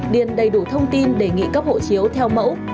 điền đầy đủ thông tin đề nghị cấp hộ chiếu theo mẫu